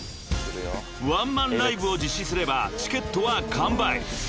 ［ワンマンライブを実施すればチケットは完売］